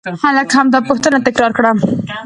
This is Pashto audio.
هلک همدا پوښتنه تکرار کړه.